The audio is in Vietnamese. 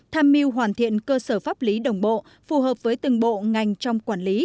tham mưu hoàn thiện cơ sở pháp lý đồng bộ phù hợp với từng bộ ngành trong quản lý